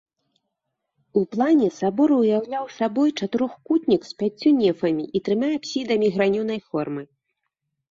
У плане сабор уяўляў сабой чатырохкутнік з пяццю нефамі і трыма апсідамі гранёнай формы.